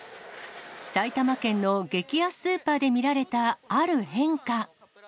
埼玉県の激安スーパーで見られたある変化。